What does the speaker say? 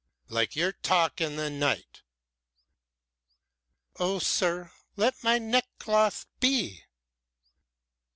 "Like your talk in the night." "Oh sir, let my neckcloth be."